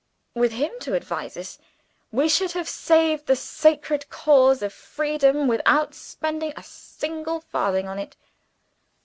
With him to advise us, we should have saved the sacred cause of Freedom without spending a single farthing on it!)